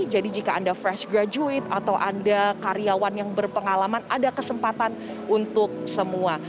jadi jika anda fresh graduate atau anda karyawan yang berpengalaman ada kesempatan untuk semua